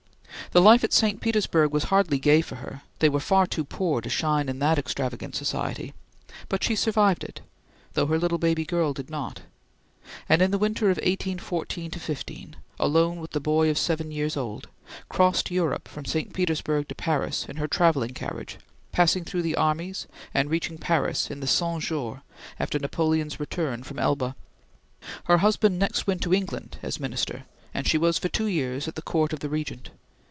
The life at St. Petersburg was hardly gay for her; they were far too poor to shine in that extravagant society; but she survived it, though her little girl baby did not, and in the winter of 1814 15, alone with the boy of seven years old, crossed Europe from St. Petersburg to Paris, in her travelling carriage, passing through the armies, and reaching Paris in the Cent Jours after Napoleon's return from Elba. Her husband next went to England as Minister, and she was for two years at the Court of the Regent.